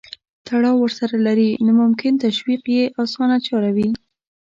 تړاو ورسره لري نو ممکن تشویق یې اسانه چاره وي.